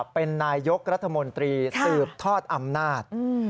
เป็นนายยกรัฐมนตรีสืบทอดอำนาจ